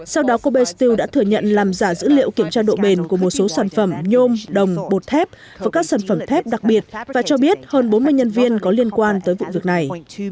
sau đó kobe steel đã thừa nhận làm giả dữ liệu kiểm tra độ bền của một số sản phẩm nhôm đồng bột thép và các sản phẩm thép đặc biệt và cho biết hơn bốn mươi nhân viên có liên quan tới vụ việc này